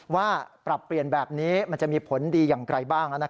ว่าปรับเปลี่ยนแบบนี้มันจะมีผลดีอย่างไรบ้าง